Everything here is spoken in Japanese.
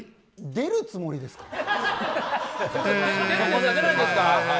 出るつもりですか？